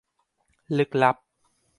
ลึกลับ